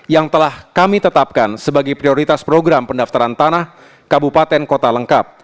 yang telah kami tetapkan sebagai prioritas program pendaftaran tanah kabupaten kota lengkap